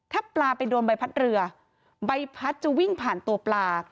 ถ้าปลาไปโดนใบพัดเรือใบพัดจะวิ่งผ่านตัวปลา